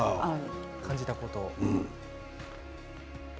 感じたことを。